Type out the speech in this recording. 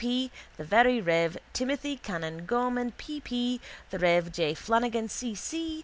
P.; the very rev. Timothy canon Gorman, P. P.; the rev. J. Flanagan, C. C.